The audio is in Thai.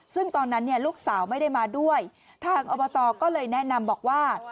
ซึ่งตอนนั้นเนี่ยลูกสาวไม่ได้มาด้วยทางอบตก็เลยแนะนำบอกว่า